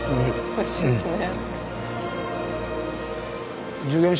おいしいですね。